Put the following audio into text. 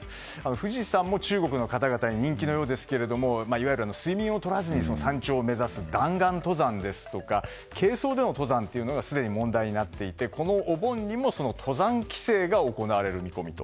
富士山も中国の方々に人気のようですけどもいわゆる睡眠をとらずに山頂を目指す弾丸登山ですとか軽装での登山がすでに問題になっていてこのお盆にも登山規制が行われる見込みと。